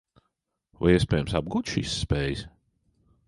Vai iespējams apgūt šīs spējas?